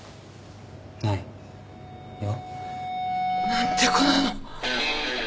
何て子なの。